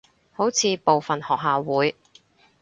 好似部份學校會